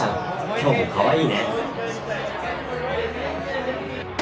今日もかわいいね。